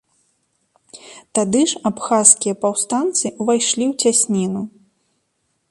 Тады ж абхазскія паўстанцы ўвайшлі ў цясніну.